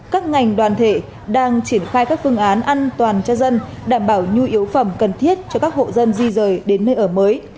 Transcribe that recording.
các ngành đoàn thể đang triển khai các phương án an toàn cho dân đảm bảo nhu yếu phẩm cần thiết cho các hộ dân di rời đến nơi ở mới